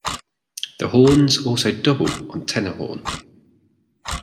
The horns also double on tenor horn.